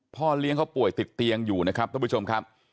พ่อเลี้ยงเขาป่วยติดเตียงอยู่นะครับท่านผู้ชมครับ